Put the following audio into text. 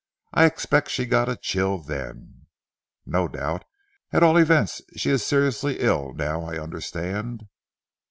I expect she got a chill then." "No doubt. At all events she is seriously ill now I understand."